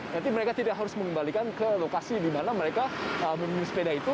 nanti mereka tidak harus mengembalikan ke lokasi di mana mereka memilih sepeda itu